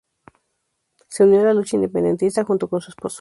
Se unió a la lucha independentista junto con su esposo.